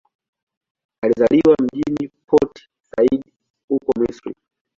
Alizaliwa mjini Port Said, huko Misri.